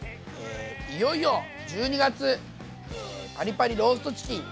いよいよ１２月パリパリローストチキン！